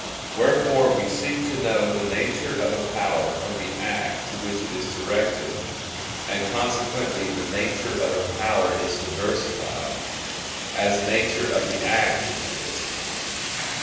Wherefore we seek to know the nature of a power from the act to which it is directed, and consequently the nature of a power is diversified, as the nature of the act is diversified.